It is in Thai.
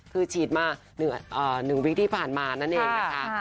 คือฉีดมา๑วิกที่ผ่านมานั่นเองนะคะ